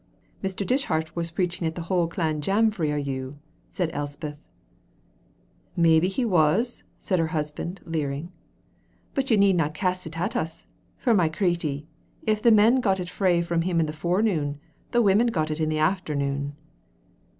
"Mr. Dishart was preaching at the whole clan jamfray o' you," said Elspeth. "Maybe he was," said her husband, leering; "but you needna cast it at us, for my certie, if the men got it frae him in the forenoon, the women got it in the afternoon."